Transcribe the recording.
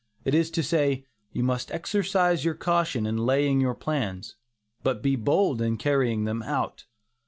It is to say, "you must exercise your caution in laying your plans, but be bold in carrying them out."